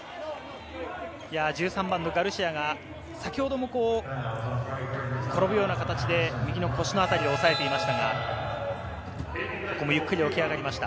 １３番のガルシアが先ほども転ぶような形で右の腰の辺りを押さえていましたがここもゆっくり起き上がりました。